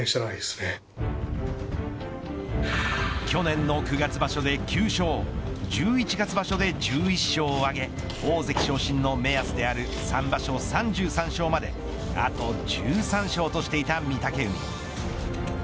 去年の９月場所で９勝１１月場所で１１勝を挙げ大関昇進の目安である３場所３３勝まであと１３勝としていた御嶽海。